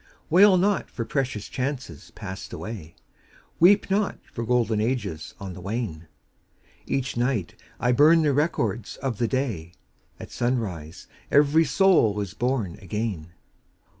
[ 27 ] Selected Poems Wail not for precious chances passed away, Weep not for golden ages on the wane ! Each night I burn the records of the day, — At sunrise every soul is born again